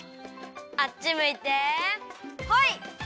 あっちむいてホイ！